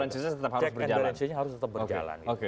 cek and balance nya harus tetap berjalan